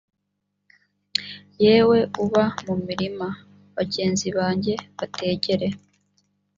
yewe uba mu mirima bagenzi banjye bategere